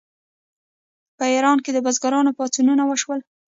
په ایران کې د بزګرانو پاڅونونه وشول.